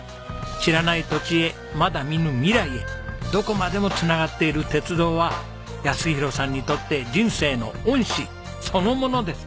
知らない土地へまだ見ぬ未来へどこまでも繋がっている鉄道は泰弘さんにとって人生の恩師そのものです。